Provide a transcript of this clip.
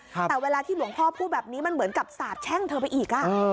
แต่เวลาที่หลวงพ่อพูดแบบนี้มันเหมือนกับสาบแช่งเธอไปอีก